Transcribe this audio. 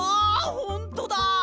ほんとだ！